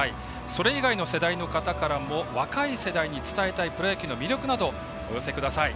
それ以外の世代の方からも若い世代に伝えたいプロ野球の魅力などをお寄せください。